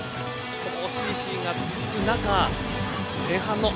この惜しいシーンが続く中前半の